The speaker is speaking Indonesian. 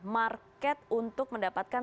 market untuk mendapatkan